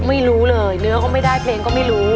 ไม่รู้เลยเนื้อก็ไม่ได้เพลงก็ไม่รู้